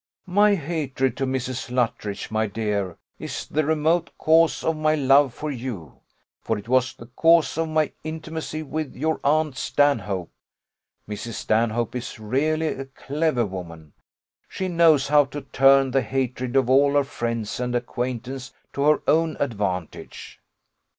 My hatred to Mrs. Luttridge, my dear, is the remote cause of my love for you; for it was the cause of my intimacy with your aunt Stanhope. Mrs. Stanhope is really a clever woman she knows how to turn the hatred of all her friends and acquaintance to her own advantage.